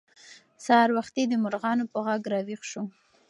سهار وختي د مرغانو په غږ راویښ شوو.